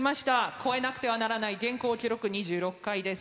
超えなくてはならない現行記録２６回です。